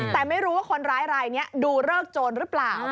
แต่ไม่รู้ว่าคนร้ายรายนี้ดูเลิกโจรหรือเปล่า